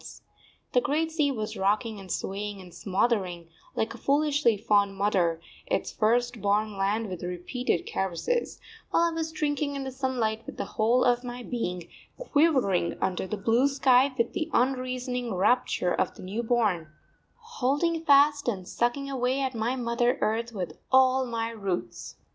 The great sea was rocking and swaying and smothering, like a foolishly fond mother, its first born land with repeated caresses; while I was drinking in the sunlight with the whole of my being, quivering under the blue sky with the unreasoning rapture of the new born, holding fast and sucking away at my mother earth with all my roots.